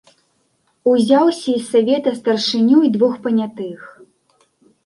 Узяў з сельсавета старшыню й двух панятых.